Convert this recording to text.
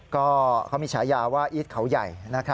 ก็เขามีฉายาว่าอีทเขาใหญ่